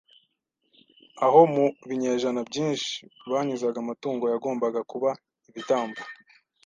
aho mu binyejana byinshi banyuzaga amatungo yagombaga kuba ibitambo.